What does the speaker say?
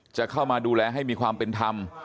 จะเข้ามาดูแลให้มีความเป็นธรรม